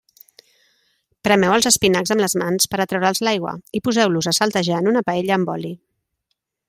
Premeu els espinacs amb les mans per a treure'ls l'aigua i poseu-los a saltejar en una paella amb oli.